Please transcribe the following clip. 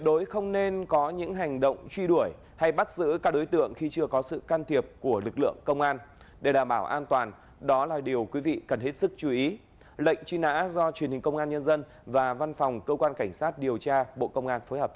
đối không nên có những hành động truy đuổi hay bắt giữ các đối tượng khi chưa có sự can thiệp của lực lượng công an